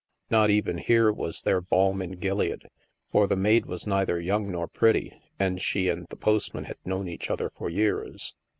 Not even here was there balm in Gilead, for the maid was neither young nor pretty, and she and the postman had known each other for years.